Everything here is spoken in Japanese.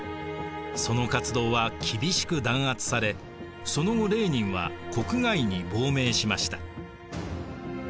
その活動は厳しく弾圧されその後レーニンは国外に亡命しました。